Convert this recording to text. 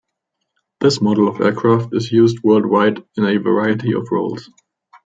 This model of aircraft is used worldwide in a variety of roles.